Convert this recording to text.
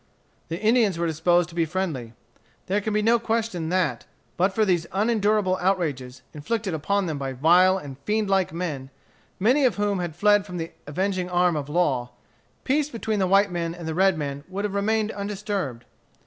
The Indians were disposed to be friendly. There can be no question that, but for these unendurable outrages, inflicted upon them by vile and fiend like men, many of whom had fled from the avenging arm of law, peace between the white man and the red man would have remained undisturbed.